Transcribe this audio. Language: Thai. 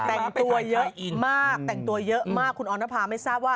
แต่งตัวยักมากแต่งตัวยักมากอหนภาไม่ทราบว่า